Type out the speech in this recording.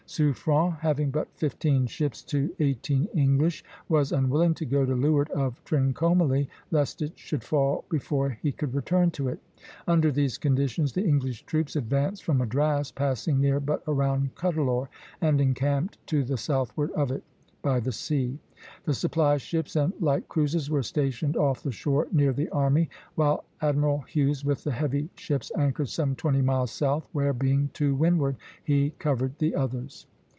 Suffren, having but fifteen ships to eighteen English, was unwilling to go to leeward of Trincomalee, lest it should fall before he could return to it. Under these conditions the English troops advanced from Madras, passing near but around Cuddalore, and encamped to the southward of it, by the sea. The supply ships and light cruisers were stationed off the shore near the army; while Admiral Hughes, with the heavy ships, anchored some twenty miles south, where, being to windward, he covered the others.